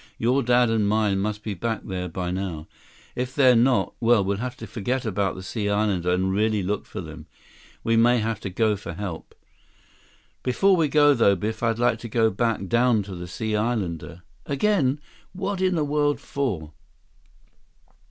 Your dad and mine must be back there by now. If they're not, well, we'll have to forget about the Sea Islander and really look for them. We may have to go for help." "Before we go, though, Biff, I'd like to go back down to the Sea Islander—" "Again? What in the world for?"